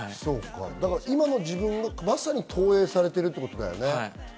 今の自分が投影されてるっていうことだね。